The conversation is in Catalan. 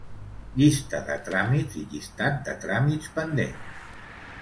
Llistat de tràmits i llistat de tràmits pendents.